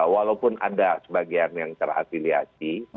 walaupun ada sebagian yang terafiliasi